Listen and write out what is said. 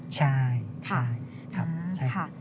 ใช่ค่ะ